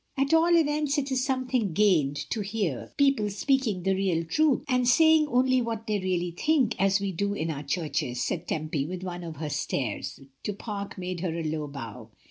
"At all events it is something gained to hear 72 MRS. DYMOND. people speaking the real truth, and sa3ring only what they really think, as we do in our churches," said Tempy, with one of her stares. Du Pare made her a low bow.